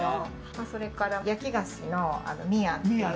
それから焼き菓子のミヤという。